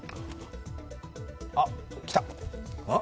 あっ、来た！